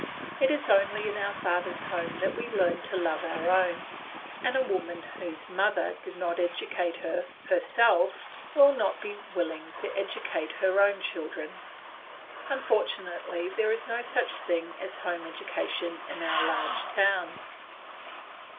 It is only in our father's home that we learn to love our own, and a woman whose mother did not educate her herself will not be willing to educate her own children. Unfortunately, there is no such thing as home education in our large towns.